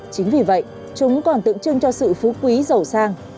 chính vì vậy chúng còn tượng trưng cho sự phú quý giàu sang